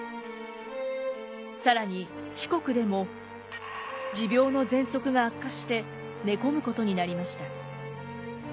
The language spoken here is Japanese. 更に四国でも持病の喘息が悪化して寝込むことになりました。